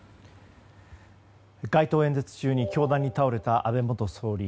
街頭演説中に凶弾に倒れた安倍元総理。